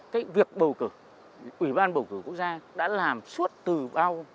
cái việc bầu cử ủy ban bầu cử quốc gia đã làm suốt từ bao